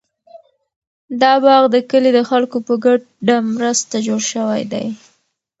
دا باغ د کلي د خلکو په ګډه مرسته جوړ شوی دی.